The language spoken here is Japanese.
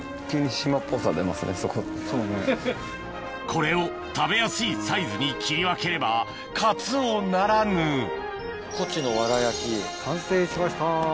これを食べやすいサイズに切り分ければカツオならぬコチのワラ焼き完成しました。